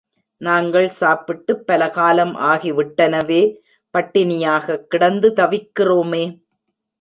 நாங்கள் சாப்பிட்டுப் பல காலம் ஆகி விட்டனவே, பட்டினியாகக் கிடந்து தவிக்கிறோமே!